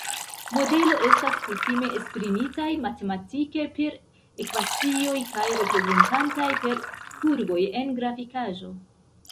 Modelo estas kutime esprimitaj matematike, per ekvacioj, kaj reprezentataj per kurboj en grafikaĵo.